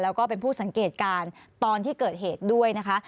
แล้วก็เป็นผู้สังเกตการณ์ตอนที่เกิดเหตุด้วยนะคะ